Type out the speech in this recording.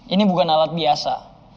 ini bukan batu biasa